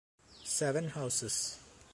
Seven houses.